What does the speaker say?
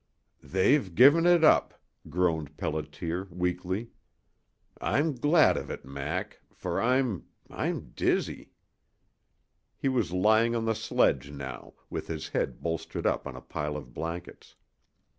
"They've given it up," groaned Pelliter, weakly. "I'm glad of it, Mac, for I'm I'm dizzy." He was lying on the sledge now, with his head bolstered up on a pile of blankets.